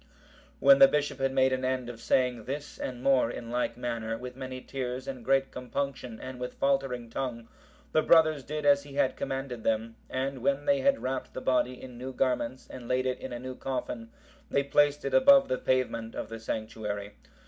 When the bishop had made an end of saying this and more in like manner, with many tears and great compunction and with faltering tongue, the brothers did as he had commanded them, and when they had wrapped the body in new garments, and laid it in a new coffin, they placed it above the pavement of the sanctuary.